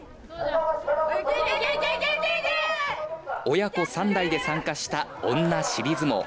親子３代で参加した女尻相撲。